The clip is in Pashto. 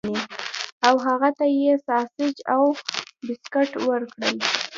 او هغه ته یې ساسج او بسکټ ورکړل